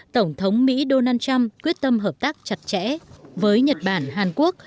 tổng thống mỹ donald trump quyết tâm hợp tác chặt chẽ với nhật bản hàn quốc